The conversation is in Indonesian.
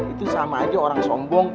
itu sama aja orang sombong